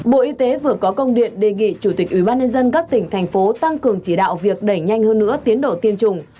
bộ y tế vừa có công điện đề nghị chủ tịch ubnd các tỉnh thành phố tăng cường chỉ đạo việc đẩy nhanh hơn nữa tiến độ tiêm chủng